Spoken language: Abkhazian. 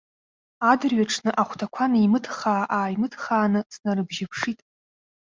Адырҩаҽны ахәҭақәа неимыҭхаа-ааимыҭхааны снарыбжьаԥшит.